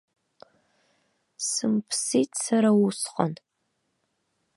Сымԥсит сара усҟан.